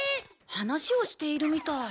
話をしているみたい。